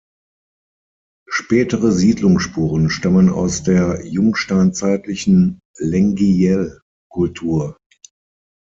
Spätere Siedlungsspuren stammen aus der jungsteinzeitlichen Lengyel-Kultur.